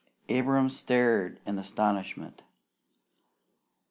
Abram stared in astonishment.